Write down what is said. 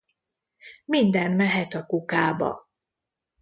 Minden mehet a kukába.